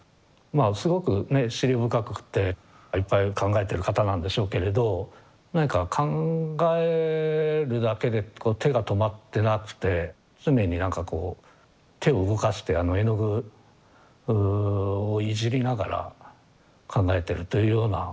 まあすごくねえ思慮深くていっぱい考えてる方なんでしょうけれど何か考えるだけで手が止まってなくて常に何かこう手を動かして絵の具をいじりながら考えてるというような。